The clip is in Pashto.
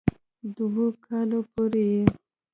دوؤ کالو پورې ئې